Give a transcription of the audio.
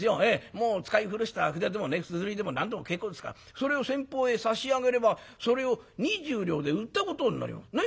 もう使い古した筆でもすずりでも何でも結構ですからそれを先方へ差し上げればそれを二十両で売ったことになります。ね？